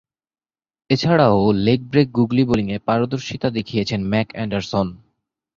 এছাড়াও, leg break googly বোলিংয়ে পারদর্শীতা দেখিয়েছেন ম্যাক অ্যান্ডারসন।